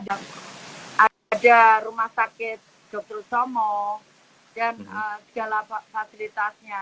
ada rumah sakit dr usomo dan segala fasilitasnya